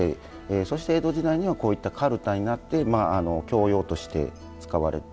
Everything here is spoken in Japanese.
そして江戸時代にはこういったかるたになって教養として使われる。